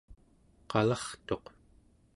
qalartuq